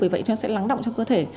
vì vậy nó sẽ lắng động trong cơ thể